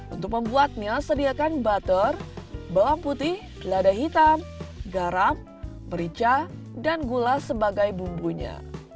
untuk membuatnya sediakan butter bawang putih lada hitam garam merica dan gula sebagai bumbunya